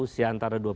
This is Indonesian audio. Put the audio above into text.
usia antara dua puluh